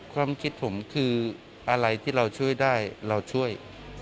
ความคิดผมคืออะไรที่เราช่วยได้เราช่วย